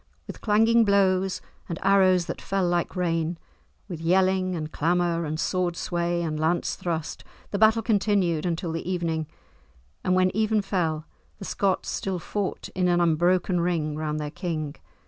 With clanging blows and arrows that fell like rain, with yelling and clamour and sword sway and lance thrust, the battle continued until the evening, and when even fell, the Scots still fought in an unbroken ring round their king.